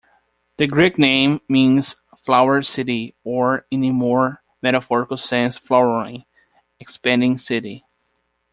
The Greek name means Flower-City or in a more metaphorical sense flowering, expanding city.